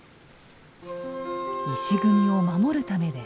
石組みを守るためです。